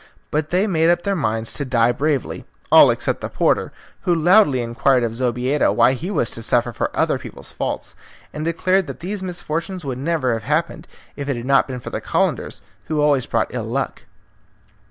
But they made up their minds to die bravely, all except the porter, who loudly inquired of Zobeida why he was to suffer for other people's faults, and declared that these misfortunes would never have happened if it had not been for the Calenders, who always brought ill luck.